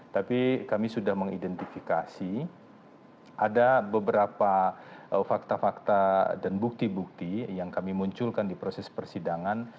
tapi kami sudah mengidentifikasi ada beberapa fakta fakta dan bukti bukti yang kami munculkan di proses persidangan